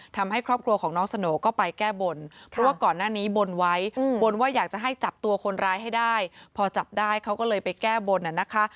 ทำให้ครอบครัวของน้องสโหน่ก็ไปแก้บนเพราะว่าก่อนหน้านี้บนไว้บนว่าอยากจะให้จับตัวคนร้ายให้ได้พอจับได้เขาก็เลยไปแก้บนน่ะนะคะ